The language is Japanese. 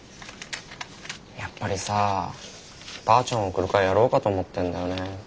やっぱりさばあちゃんを送る会やろうかと思ってんだよね。